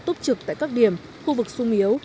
tốt trực tại các điểm khu vực sung yếu